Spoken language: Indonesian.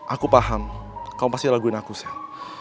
aku paham kamu pasti laguin aku sih